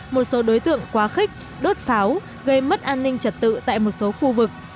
một số đối tượng quá khích đốt pháo gây mất an ninh trật tự tại một số khu vực